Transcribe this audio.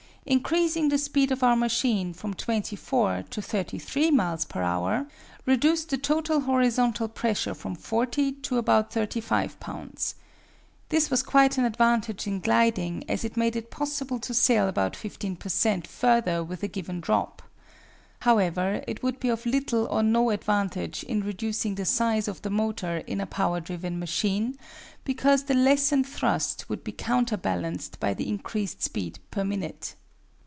Increasing the speed of our machine from 24 to 33 miles per hour reduced the total horizontal pressure from 40 to about 35 lbs. This was quite an advantage in gliding, as it made it possible to sail about 15 per cent. further with a given drop. However, it would be of little or no advantage in reducing the size of the motor in a power driven machine, because the lessened thrust would be counterbalanced by the increased speed per minute.